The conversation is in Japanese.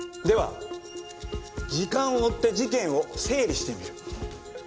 では時間を追って事件を整理してみる。